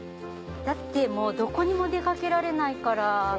もうどこにも出掛けられないから。